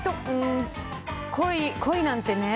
恋なんてね